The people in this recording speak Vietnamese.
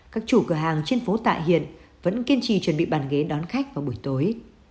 các chủ cửa hàng trên phố tạ hiện vẫn kiên trì chuẩn bị bàn ghế đón khách vào buổi tối